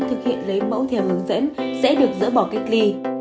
thực hiện lấy mẫu theo hướng dẫn sẽ được dỡ bỏ cách ly